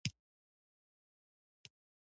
دا حقوق د پنځو قاعدو په بڼه بیان کیږي.